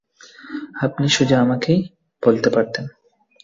আপনি সোজা আমাকেই বলতে পারতেন।